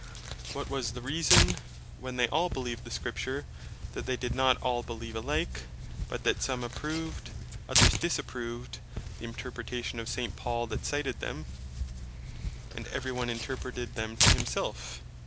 What was the reason, when they all beleeved the Scripture, that they did not all beleeve alike; but that some approved, others disapproved the Interpretation of St. Paul that cited them; and every one Interpreted them to himself?